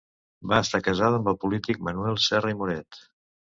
Va estar casada amb el polític Manuel Serra i Moret.